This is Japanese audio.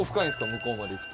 向こうまで行くと。